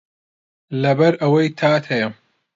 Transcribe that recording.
لەبەر ئەوەی تات هەیە